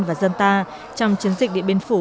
và dân ta trong chiến dịch điện biên phủ